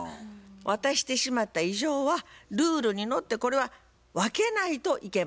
渡してしまった以上はルールにのってこれは分けないといけません。